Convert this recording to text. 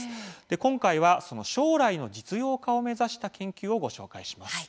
今回は将来の実用化を目指した研究をご紹介します。